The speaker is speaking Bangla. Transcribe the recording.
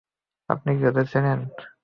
আপনি কি ওদের চেনেন?